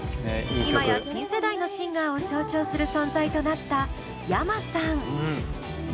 今や新世代のシンガーを象徴する存在となったｙａｍａさん。